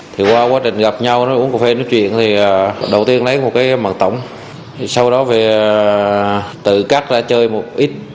thì qua quá trình gặp nhau uống cà phê nói chuyện thì đầu tiên lấy một cái mặt tổng sau đó về tự cắt ra chơi một ít